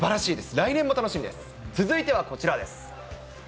来年も楽し続いてはこちらです。